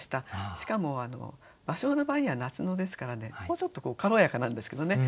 しかも芭蕉の場合には「夏野」ですからもうちょっと軽やかなんですけどね